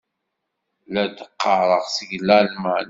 La d-ɣɣareɣ seg Lalman.